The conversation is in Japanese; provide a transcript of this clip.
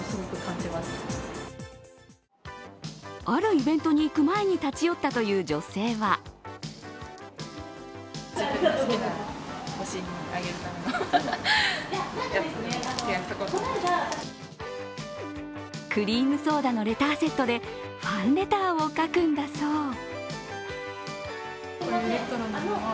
あるイベントに行く前に立ち寄ったという女性はクリームソーダのレターセットでファンレターを書くんだそう。